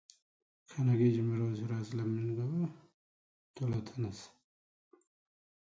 Former Scotland manager Craig Brown took over when Gannon left.